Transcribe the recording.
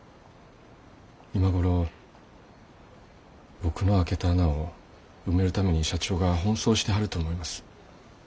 今頃僕のあけた穴を埋めるために社長が奔走してはると思います。